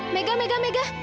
mega mega mega